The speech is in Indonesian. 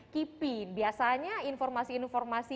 kipi biasanya informasi informasi